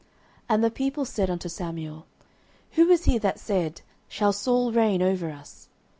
09:011:012 And the people said unto Samuel, Who is he that said, Shall Saul reign over us?